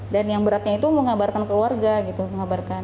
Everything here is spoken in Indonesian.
dan yang beratnya itu mengabarkan keluarga gitu mengabarkan